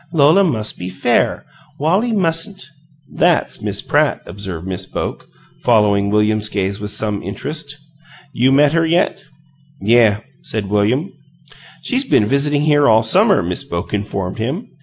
Lola MUS' be fair. Wallie mustn't " "That's that Miss Pratt," observed Miss Boke, following William's gaze with some interest. "You met her yet?" "Yeh," said William. "She's been visiting here all summer," Miss Boke informed him.